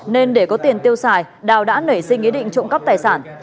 nên để có tiền tiêu xài đào đã nảy sinh ý định trộm cắp tài sản